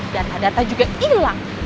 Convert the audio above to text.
data data juga hilang